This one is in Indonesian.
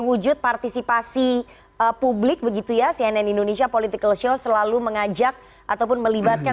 wujud partisipasi publik begitu ya cnn indonesia political show selalu mengajak ataupun melibatkan